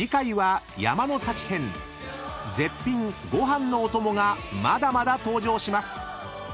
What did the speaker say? ［絶品ご飯のおともがまだまだ登場します］